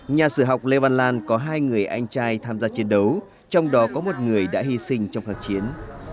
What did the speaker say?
nhà sử học lê văn lan có hai người anh trai tham gia chiến đấu trong đó có một người đã hy sinh trong kháng chiến